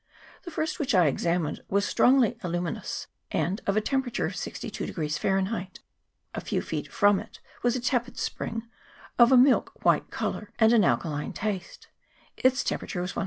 The first which I examined was strongly aluminous, and of a temperature of 62 Fahrenheit. A few feet from it was a tepid spring, of a milk white colour and an alkaline taste : its temperature was 12.4.